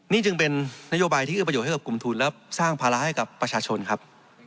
นี่จึงเป็นนโยบายที่เอื้อประโยชนให้กับกลุ่มทุนและสร้างภาระให้กับประชาชนครับ